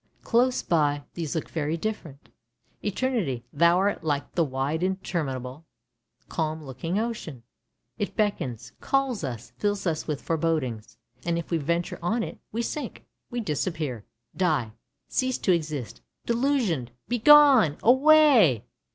Close by these look very different. Eternity, thou art like the wide, interminable, calm looking ocean: it beckons, calls us, fills us with forebodings, and if we venture on it, we sink, we disappear, die, cease to exist! Delusioned! Begone! Away!